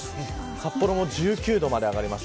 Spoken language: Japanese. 札幌も１９度まで上がります。